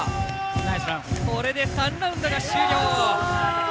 これで３ラウンドが終了。